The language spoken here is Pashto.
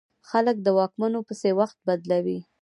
خلک د واکمنو پسې وخت بدلوي.